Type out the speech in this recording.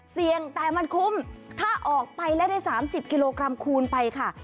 เสี่ยงแต่มันคุ้มถ้าออกไปแล้วได้๓๐กิโลกรัมคูณไปค่ะ